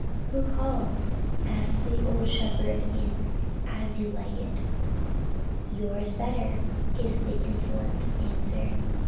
'Who calls?' asks the old shepherd in As You Like It. 'Your betters,' is the insolent answer.